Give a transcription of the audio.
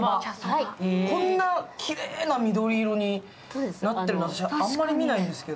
こんなきれいな緑色になっているんですね、あんまり見ないですけど。